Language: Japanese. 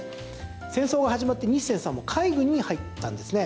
戦争が始まって、ニッセンさんも海軍に入ったんですね。